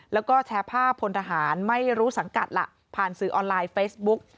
แล้วก็แชร์ภาพพลทหารไม่รู้สังกัดล่ะผ่านสื่อออนไลน์เฟซบุ๊ก